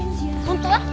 本当は？